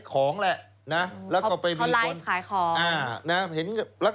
คนเดียวกันครับ